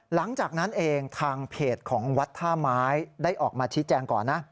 หลังจากนั้นเองทางเพจของวัดท่าไม้ได้ออกมาชี้แจงก่อนนะ